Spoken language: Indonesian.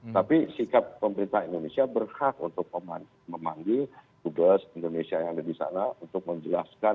tapi sikap pemerintah indonesia berhak untuk memanggil dubes indonesia yang ada di sana untuk menjelaskan